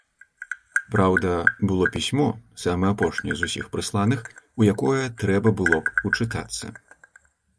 Праўда, было пісьмо, самае апошняе з усіх прысланых, у якое трэба было б учытацца.